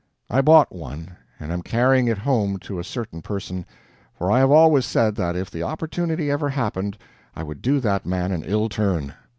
I bought one, and am carrying it home to a certain person; for I have always said that if the opportunity ever happened, I would do that man an ill turn.